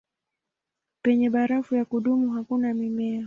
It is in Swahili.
Penye barafu ya kudumu hakuna mimea.